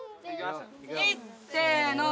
いっせので！